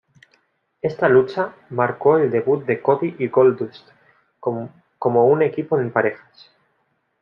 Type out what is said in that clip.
Esta lucha marcó el debut de Cody y Goldust como un equipo en parejas.